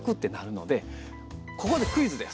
ここでクイズです！